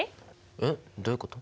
えっどういうこと？